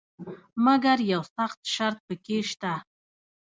مګر یو سخت شرط پکې شته.